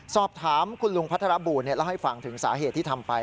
สอบถามคุณลุงพัทรบูลเล่าให้ฟังถึงสาเหตุที่ทำไป